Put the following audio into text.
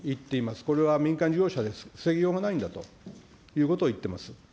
これは民間事業者です、防ぎようがないんだということを言ってます。